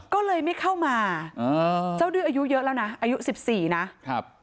ก็เลยไม่เข้ามาอ่าเจ้าดื้ออายุเยอะแล้วนะอายุสิบสี่นะครับ